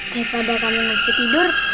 daripada kamu masih tidur